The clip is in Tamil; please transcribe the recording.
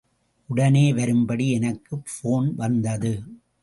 உடனே வரும்படி எனக்கு போன் வந்தது.